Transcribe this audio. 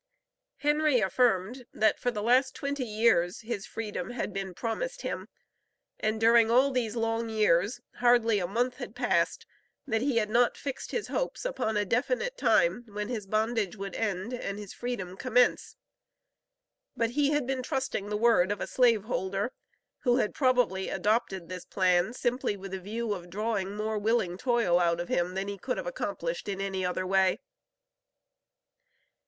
Henry affirmed, that for the last twenty years, his freedom had been promised him, and during all these long years, hardly a month had passed, that he had not fixed his hopes upon a definite time, when his bondage would end and his freedom commence. But he had been trusting the word of a slave holder, who had probably adopted this plan simply with a view of drawing more willing toil out of him than he could have accomplished in any other way.